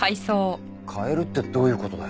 代えるってどういう事だよ？